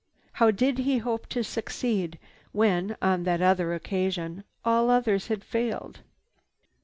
How did he hope to succeed when, on that other occasion, all others had failed?